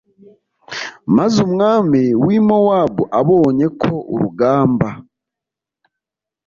maze umwami w i mowabu abonye ko urugamba